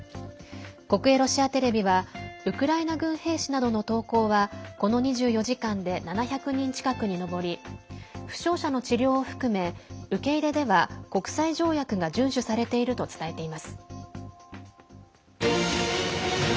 国営ロシアテレビはウクライナ軍兵士などの投降はこの２４時間で７００人近くに上り負傷者の治療を含め受け入れでは国際条約が順守されていると伝えています。